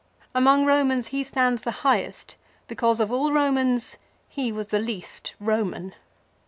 Among Eomans he stands the highest, because of all Komans he was the least Eoman.